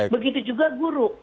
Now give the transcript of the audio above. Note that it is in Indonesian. begitu juga guru